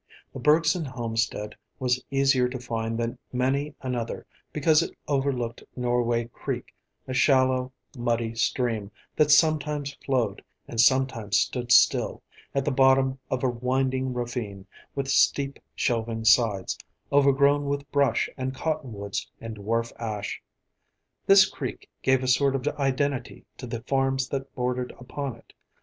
The Bergson homestead was easier to find than many another, because it overlooked Norway Creek, a shallow, muddy stream that sometimes flowed, and sometimes stood still, at the bottom of a winding ravine with steep, shelving sides overgrown with brush and cottonwoods and dwarf ash. This creek gave a sort of identity to the farms that bordered upon it.